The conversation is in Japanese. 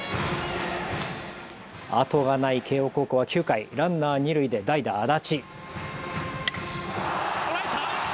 後がない慶応高校は９回、ランナー二塁で代打、足立。